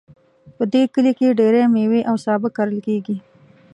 په دې کلي کې ډیری میوې او سابه کرل کیږي